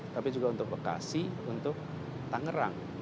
tapi juga untuk bekasi untuk tangerang